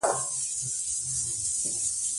احمدشاه بابا د زړورتیا بېلګه ده.